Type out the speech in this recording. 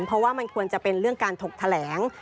เพราะว่ามันควรจะเป็นเรื่องการถกแถลง